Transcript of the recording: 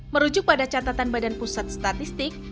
merujuk pada catatan badan pusat statistik